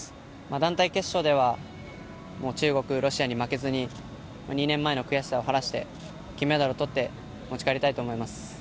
団体決勝では中国、ロシアに負けずに２年前の悔しさを晴らして金メダルをとって持ち帰りたいと思います。